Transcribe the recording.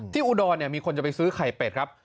ที่อุดอร์นี้มีคนจะไปซื้อไข่เป็ดครับ